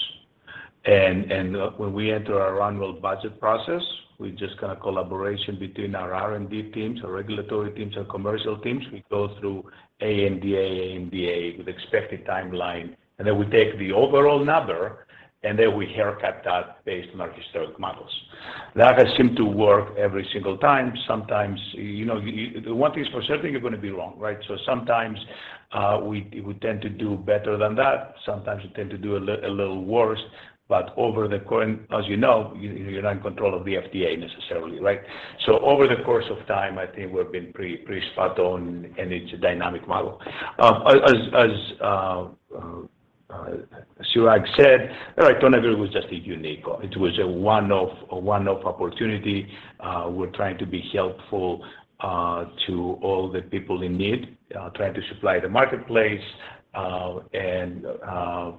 When we enter our annual budget process, we just go to a collaboration between our R&D teams, our regulatory teams, our commercial teams. We go through ANDA, NDA with expected timeline, and then we take the overall number, and then we haircut that based on our historic models. That has seemed to work every single time. Sometimes one thing's for certain, you're gonna be wrong, right? Sometimes we tend to do better than that. Sometimes we tend to do a little worse. Over the current, as you know, you're not in control of the FDA necessarily, right? Over the course of time, I think we've been pretty spot on, and it's a dynamic model. As Chirag said, ritonavir was just a unique. It was a one-off opportunity. We're trying to be helpful to all the people in need, trying to supply the marketplace, and,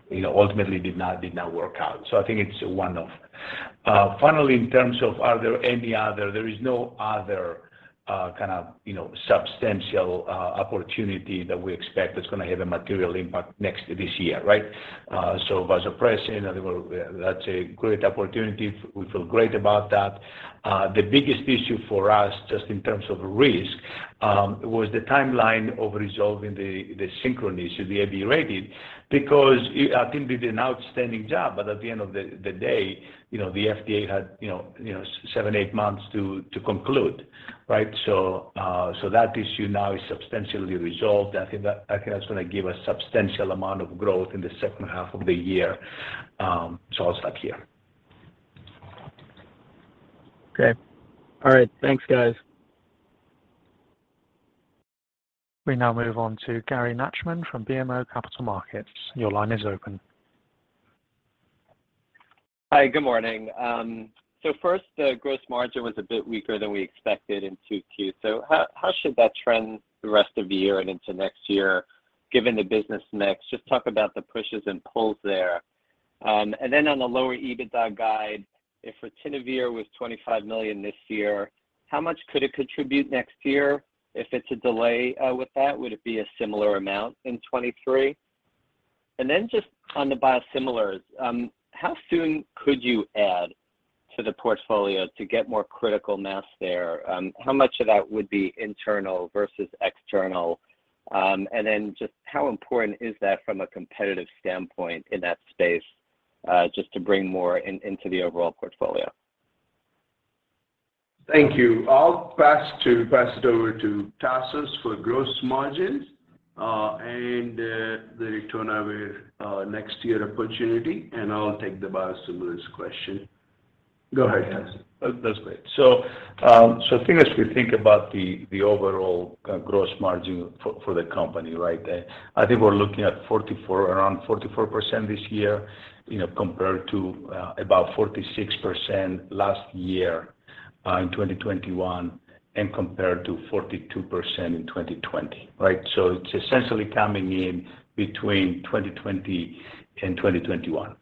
you know, ultimately did not work out. I think it's a one-off. Finally, in terms of are there any other? There is no other kind of, you know, substantial opportunity that we expect that's gonna have a material impact next to this year, right? Vasopressin, I think that's a great opportunity. We feel great about that. The biggest issue for us, just in terms of risk, was the timeline of resolving the Synchron, the AB rating, because I think we did an outstanding job, but at the end of the day, you know, the FDA had, you know, seven to eight months to conclude, right? That issue now is substantially resolved. I think that's gonna give a substantial amount of growth in the second half of the year, so I'll stop here. Okay. All right. Thanks, guys. We now move on to Gary Nachman from BMO Capital Markets. Your line is open. Hi. Good morning. First, the gross margin was a bit weaker than we expected in 2Q. How should that trend the rest of the year and into next year, given the business mix? Just talk about the pushes and pulls there. And then on the lower EBITDA guide, if ritonavir was $25 million this year, how much could it contribute next year? If it's a delay with that, would it be a similar amount in 2023? And then just on the biosimilars, how soon could you add to the portfolio to get more critical mass there? How much of that would be internal versus external? And then just how important is that from a competitive standpoint in that space, just to bring more into the overall portfolio? Thank you. I'll pass it over to Tasos for gross margins and the ritonavir next year opportunity, and I'll take the biosimilars question. Go ahead, Tasos. Yeah. That's great. I think as we think about the overall gross margin for the company right there, I think we're looking at 44, around 44% this year, you know, compared to about 46% last year in 2021 and compared to 42% in 2020, right? It's essentially coming in between 2020 and 2021.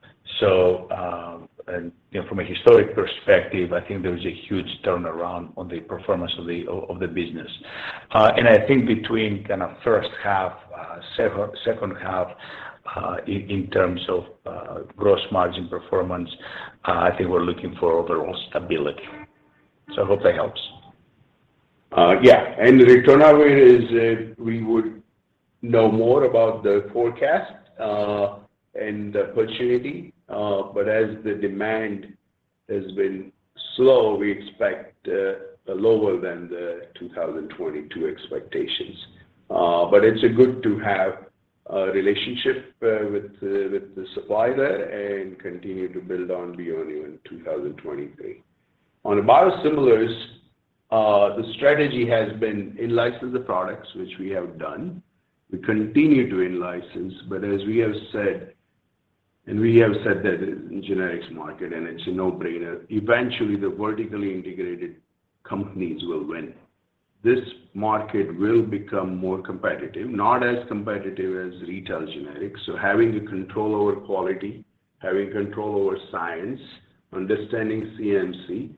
You know, from a historic perspective, I think there is a huge turnaround on the performance of the business. I think between kind of first half, second half, in terms of gross margin performance, I think we're looking for overall stability. I hope that helps. Yeah. Ritonavir is, we would know more about the forecast, and the opportunity, but as the demand has been slow, we expect lower than the 2022 expectations. It's good to have a relationship with the supplier and continue to build on beyond even 2023. On biosimilars, the strategy has been in-license the products, which we have done. We continue to in-license. As we have said that in generics market and it's a no-brainer, eventually the vertically integrated companies will win. This market will become more competitive, not as competitive as retail generics. Having the control over quality, having control over science, understanding CMC,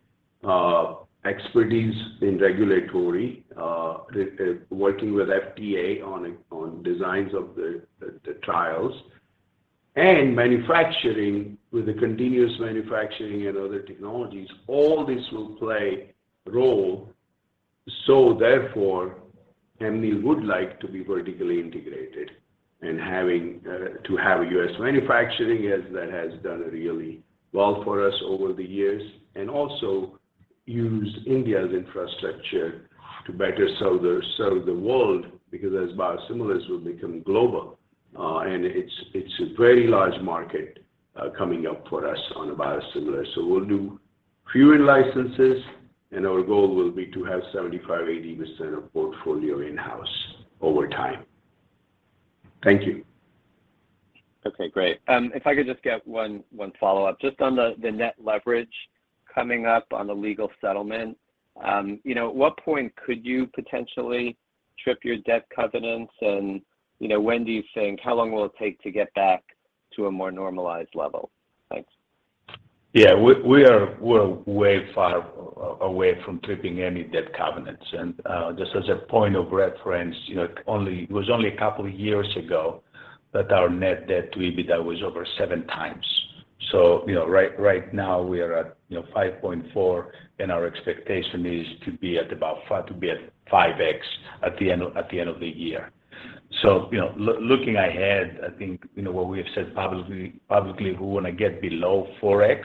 expertise in regulatory, working with FDA on designs of the trials and manufacturing with the continuous manufacturing and other technologies, all this will play a role. Therefore, Amneal would like to be vertically integrated and having to have U.S. manufacturing as that has done really well for us over the years. Also use India's infrastructure to better serve the world because as biosimilars will become global, and it's a very large market coming up for us on a biosimilar. We'll do fewer licenses, and our goal will be to have 75%-80% of portfolio in-house over time. Thank you. Okay, great. If I could just get one follow-up. Just on the net leverage coming up on the legal settlement, you know, at what point could you potentially trip your debt covenants? You know, when do you think, how long will it take to get back to a more normalized level? Thanks. Yeah. We are way far away from tripping any debt covenants. Just as a point of reference, you know, it was only a couple of years ago that our net debt to EBITDA was over 7x. You know, right now we are at, you know, 5.4x, and our expectation is to be at about 5x at the end of the year. You know, looking ahead, I think, you know, what we have said publicly, we wanna get below 4x.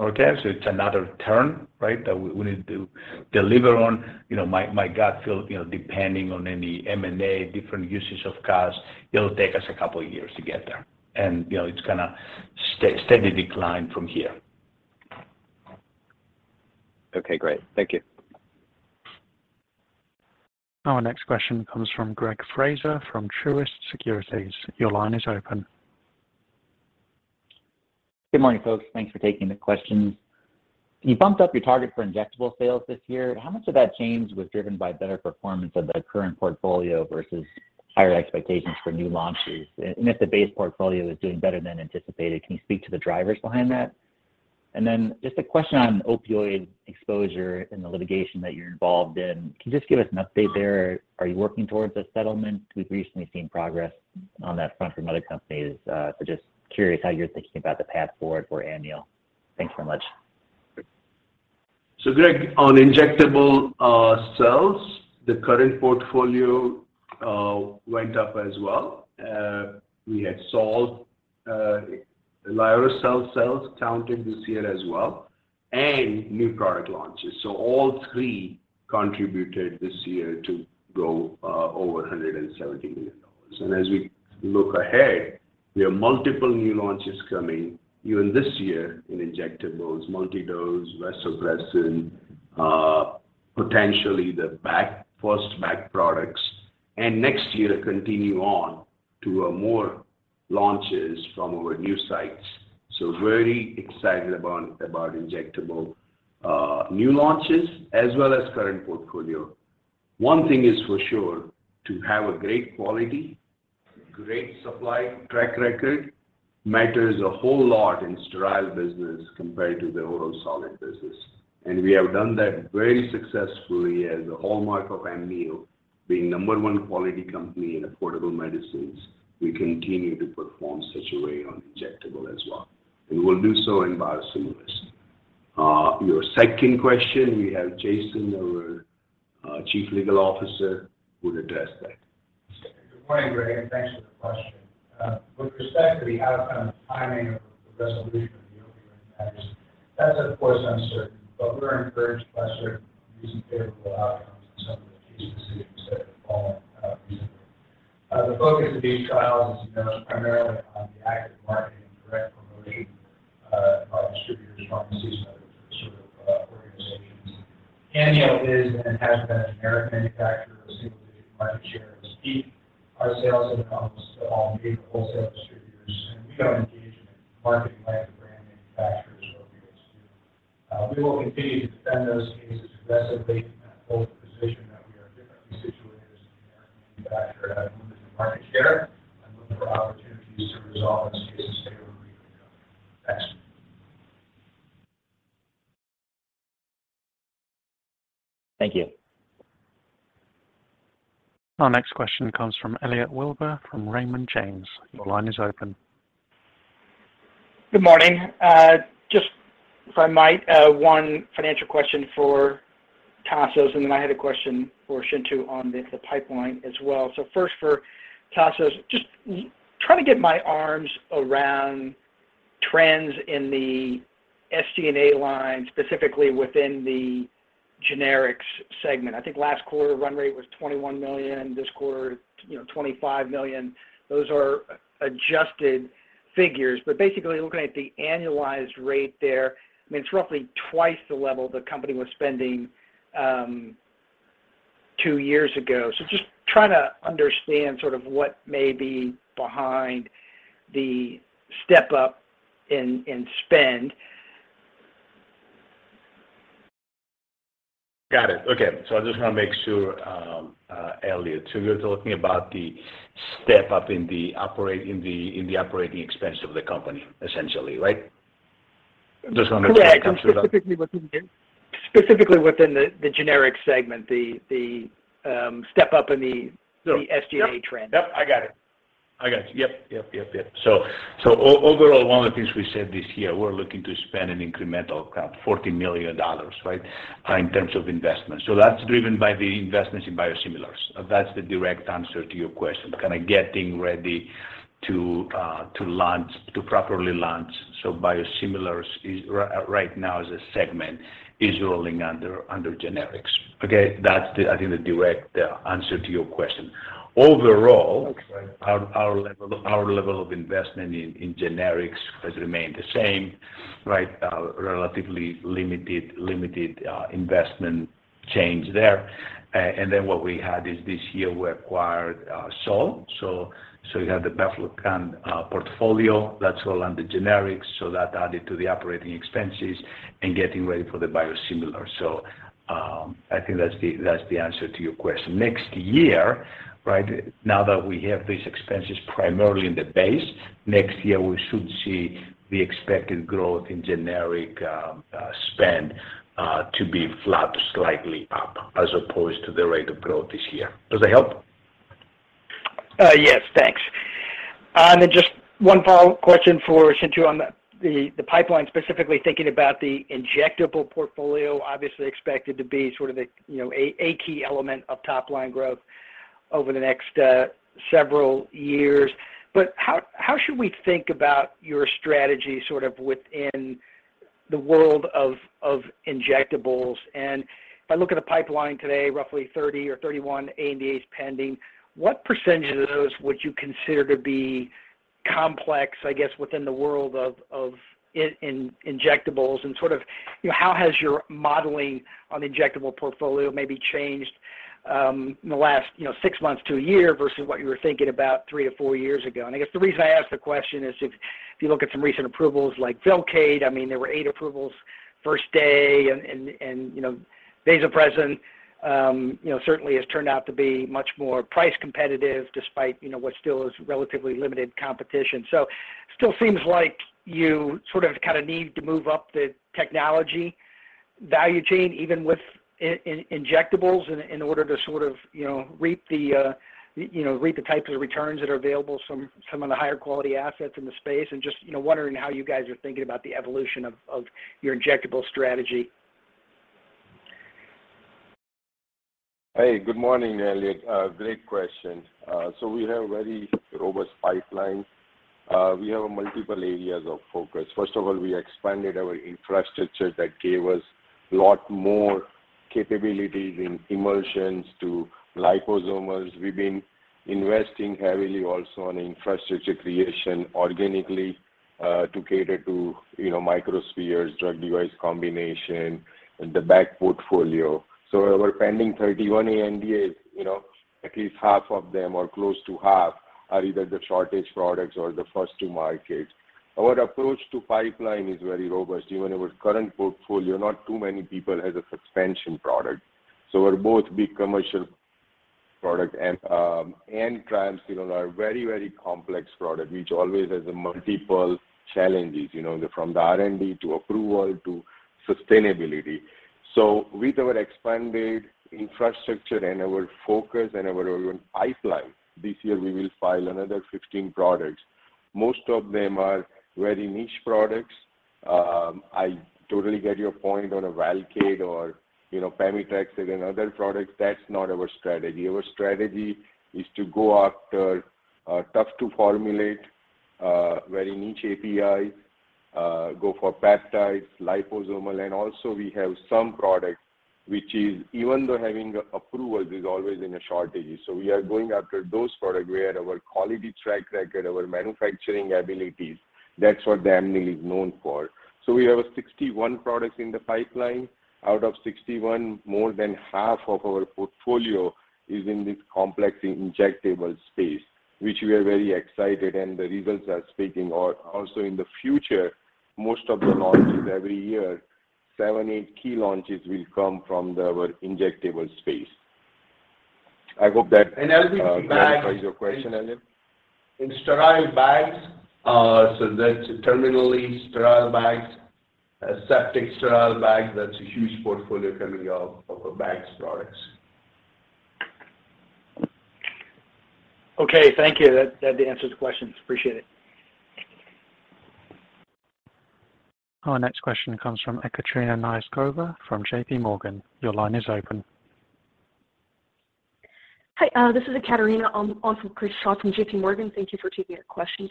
Okay. It's another turn, right, that we need to deliver on. You know, my gut feel, you know, depending on any M&A, different uses of cash, it'll take us a couple of years to get there. You know, it's gonna steady decline from here. Okay, great. Thank you. Our next question comes from Greg Fraser from Truist Securities. Your line is open. Good morning, folks. Thanks for taking the questions. You bumped up your target for injectable sales this year. How much of that change was driven by better performance of the current portfolio versus higher expectations for new launches? And if the base portfolio is doing better than anticipated, can you speak to the drivers behind that? And then just a question on opioid exposure and the litigation that you're involved in. Can you just give us an update there? Are you working towards a settlement? We've recently seen progress on that front from other companies. Just curious how you're thinking about the path forward for Amneal. Thanks so much. Greg, on injectable sales, the current portfolio went up as well. We had solid Lioresal sales counted this year as well and new product launches. All three contributed this year to grow over $170 million. As we look ahead, we have multiple new launches coming even this year in injectables, multi-dose vasopressin, potentially the first baclofen products. Next year, continue on to more launches from our new sites. Very excited about injectable new launches as well as current portfolio. One thing is for sure, to have a great quality, great supply track record matters a whole lot in sterile business compared to the oral solid business. We have done that very successfully as a hallmark of Amneal, being number one quality company in affordable medicines. We continue to perform as we have on injectables as well, and we'll do so in biosimilars. Your second question, we have Jason, our Chief Legal Officer, will address that. Good morning, Greg, and thanks for the question. With respect to the outcome and timing of the resolution of the opioid matters, that's of course uncertain. We're encouraged by certain recent favorable outcomes in some of the case decisions that have fallen recently. The focus of these trials is, you know, primarily on the active marketing and direct promoting by distributors, pharmacies, and other sort of organizations. Amneal is and has been a generic manufacturer with a single-digit market share and has kept our sales and accounts to all major wholesale distributors. We don't engage in marketing like the brand manufacturers or OEMs do. We will continue to defend those cases aggressively from that whole position that we are differently situated as a generic manufacturer and have limited market share and look for opportunities to resolve those cases favorably for Amneal. Thanks. Thank you. Our next question comes from Elliot Wilbur from Raymond James. Your line is open. Good morning. Just if I might, one financial question for Tasos, and then I had a question for Chintu on the pipeline as well. First for Tasos, just trying to get my arms around trends in the SG&A line, specifically within the generics segment. I think last quarter run rate was $21 million, this quarter, you know, $25 million. Those are adjusted figures. But basically, looking at the annualized rate there, I mean, it's roughly twice the level the company was spending, two years ago. Just trying to understand sort of what may be behind the step up in spend. Got it. Okay. I just wanna make sure, Elliot, so you're talking about the step up in the operating expense of the company essentially, right? Just wanna make sure that- Correct. Specifically within the step up in the SG&A trend. Yep. I got it. Overall, one of the things we said this year, we're looking to spend an incremental $40 million, right? In terms of investment. That's driven by the investments in biosimilars. That's the direct answer to your question. Kinda getting ready to launch, to properly launch. Biosimilars is right now as a segment rolling under generics. Okay? That's, I think, the direct answer to your question. Overall. Okay. Our level of investment in generics has remained the same, right? Relatively limited investment change there. What we had is this year we acquired mAbxience. We have the bevacizumab portfolio that's all under generics, so that added to the operating expenses and getting ready for the biosimilar. I think that's the answer to your question. Next year, now that we have these expenses primarily in the base, next year we should see the expected growth in generic spend to be flat to slightly up as opposed to the rate of growth this year. Does that help? Yes. Thanks. Then just one follow-up question, since you're on the pipeline, specifically thinking about the injectable portfolio obviously expected to be sort of a, you know, a key element of top-line growth over the next several years. But how should we think about your strategy sort of within the world of injectables? And if I look at a pipeline today, roughly 30 or 31 ANDAs pending, what percentage of those would you consider to be complex, I guess, within the world of injectables and sort of, you know, how has your modeling on injectable portfolio maybe changed in the last six months to a year versus what you were thinking about three to four years ago? I guess the reason I ask the question is if you look at some recent approvals like Velcade, I mean, there were eight approvals first day and you know, vasopressin certainly has turned out to be much more price competitive despite you know, what still is relatively limited competition. Still seems like you sort of kinda need to move up the technology value chain, even with injectables in order to sort of you know, reap the types of returns that are available from some of the higher quality assets in the space. Just you know, wondering how you guys are thinking about the evolution of your injectable strategy. Hey, good morning, Elliot. Great question. We have very robust pipeline. We have multiple areas of focus. First of all, we expanded our infrastructure that gave us lot more capabilities in emulsions to liposomes. We've been investing heavily also on infrastructure creation organically, to cater to, you know, microspheres, drug device combination, the back portfolio. Our pending 31 ANDAs, you know, at least half of them or close to half are either the shortage products or the first-to-market. Our approach to pipeline is very robust. Even our current portfolio, not too many people has a suspension product. We're both big commercial product and tribenoside are very, very complex product, which always has multiple challenges, you know, from the R&D to approval to sustainability. With our expanded infrastructure and our focus and our pipeline, this year we will file another 15 products. Most of them are very niche products. I totally get your point on a Velcade or, you know, Pemetrexed and other products. That's not our strategy. Our strategy is to go after tough to formulate very niche APIs, go for peptides, liposomal. Also we have some products which is even though having approvals is always in a shortage. We are going after those product where our quality track record, our manufacturing abilities, that's what Amneal is known for. We have 61 products in the pipeline. Out of 61, more than half of our portfolio is in this complex injectable space, which we are very excited and the results are speaking. Also in the future, most of the launches every year, seven, eight key launches will come from our injectable space. I hope that clarifies your question, Elliot. In sterile bags, so that's terminally sterile bags, aseptic sterile bags. That's a huge portfolio coming out of our bags products. Okay. Thank you. That answers questions. Appreciate it. Our next question comes from Ekaterina Knyazkova from JPMorgan. Your line is open. Hi, this is Ekaterina Knyazkova, also Chris Schott from JPMorgan. Thank you for taking our questions.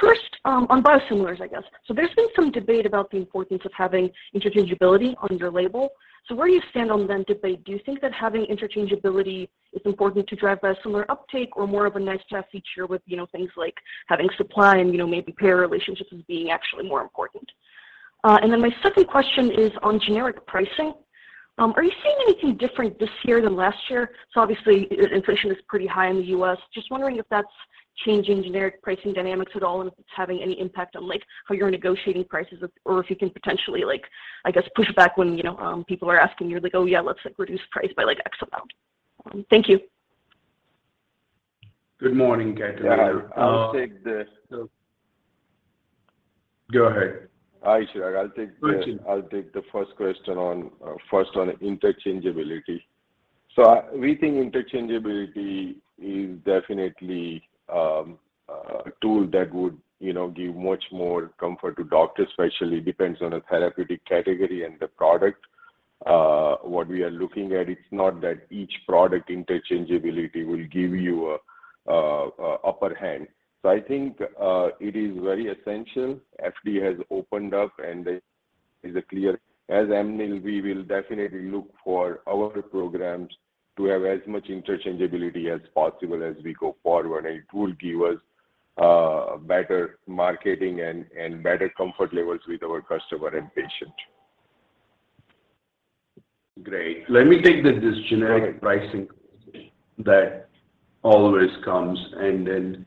First, on biosimilars, I guess. There's been some debate about the importance of having interchangeability on your label. Where do you stand on that debate? Do you think that having interchangeability is important to drive biosimilar uptake or more of a nice to have feature with, you know, things like having supply and, you know, maybe payer relationships as being actually more important? And then my second question is on generic pricing. Are you seeing anything different this year than last year? Obviously inflation is pretty high in the U.S. Just wondering if that's changing generic pricing dynamics at all and if it's having any impact on like how you're negotiating prices or if you can potentially, like, I guess, push back when, you know, people are asking you like, "Oh, yeah, let's like reduce price by like X amount." Thank you. Good morning, Ekaterina. Yeah, I'll take the. Go ahead. All right, Chirag. I'll take the Ranjit. I'll take the first question on interchangeability. We think interchangeability is definitely a tool that would, you know, give much more comfort to doctors, especially depends on the therapeutic category and the product. What we are looking at, it's not that each product interchangeability will give you a upper hand. I think it is very essential. FDA has opened up, and it is clear. As Amneal, we will definitely look for our programs to have as much interchangeability as possible as we go forward, and it will give us better marketing and better comfort levels with our customer and patient. Great. Let me take this generic pricing that always comes and then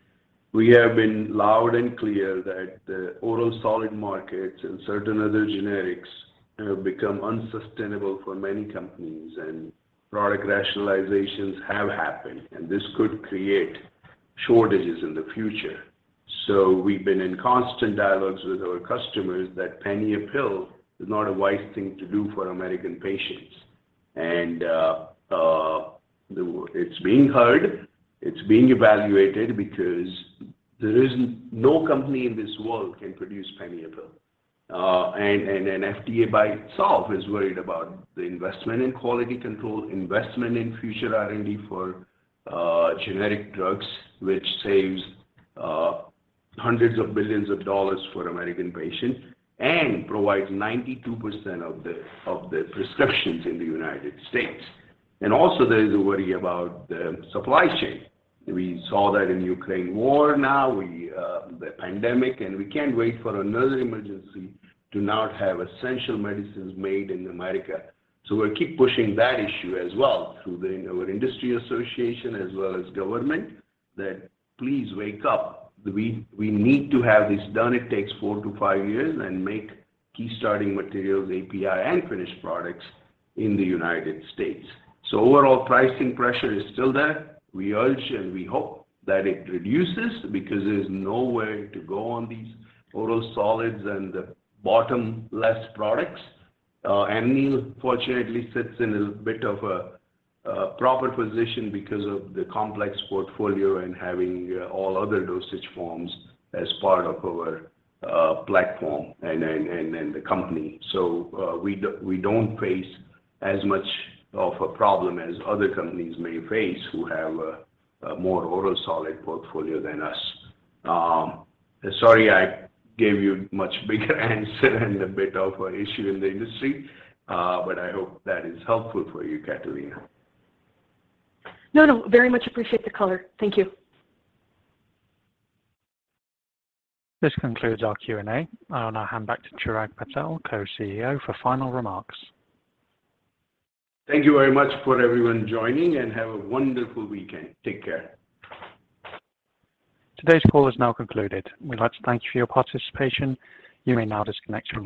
we have been loud and clear that the oral solid markets and certain other generics have become unsustainable for many companies, and product rationalizations have happened, and this could create shortages in the future. We've been in constant dialogues with our customers that penny a pill is not a wise thing to do for American patients. It's being heard, it's being evaluated because there is no company in this world can produce penny a pill. FDA by itself is worried about the investment in quality control, investment in future R&D for generic drugs, which saves hundreds of billions of dollars for American patients and provides 92% of the prescriptions in the United States. There is a worry about the supply chain. We saw that in the Ukraine war now, the pandemic, and we can't wait for another emergency to not have essential medicines made in America. We'll keep pushing that issue as well through our industry association as well as government that please wake up. We need to have this done. It takes four to five years, and make key starting materials, API, and finished products in the United States. Overall pricing pressure is still there. We urge and we hope that it reduces because there's nowhere to go on these oral solids and bottom-line products. Amneal fortunately sits in a bit of a proper position because of the complex portfolio and having all other dosage forms as part of our platform and the company. We don't face as much of a problem as other companies may face who have a more oral solid portfolio than us. Sorry I gave you a much bigger answer and a bit of an issue in the industry, but I hope that is helpful for you, Ekaterina Knyazkova. No, no. Very much appreciate the color. Thank you. This concludes our Q&A. I'll now hand back to Chirag Patel, Co-CEO, for final remarks. Thank you very much for everyone joining, and have a wonderful weekend. Take care. Today's call is now concluded. We'd like to thank you for your participation. You may now disconnect your line.